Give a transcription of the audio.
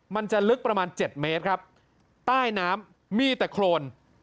มันจะลึกประมาณเจ็ดเมตรครับใต้น้ำมีแต่โครน